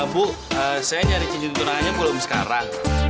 bu saya nyari cincin tunangannya belum sekarang